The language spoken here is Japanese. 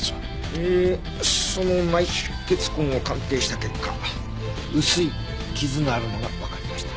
えーその内出血痕を鑑定した結果薄い傷があるのがわかりました。